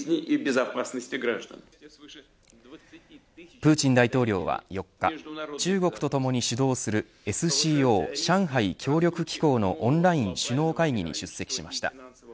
プーチン大統領は４日中国とともに主導するＳＣＯ上海協力機構のオンライン首脳会議に出席しました。